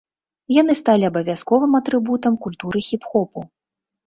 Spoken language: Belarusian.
Яны сталі абавязковым атрыбутам культуры хіп-хопу.